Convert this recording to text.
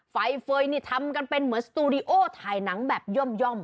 ไฟเฟย์นี่ทำกันเป็นเหมือนสตูดิโอถ่ายหนังแบบย่อม